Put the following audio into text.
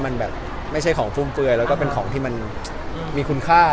มันแบบไม่ใช่ของฟุ่มเฟือยแล้วก็เป็นของที่มันมีคุณค่า